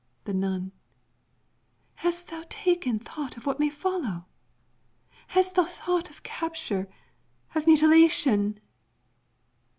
The Nun Hast thou taken thought of what may follow? Hast thou thought of capture, of mutilation?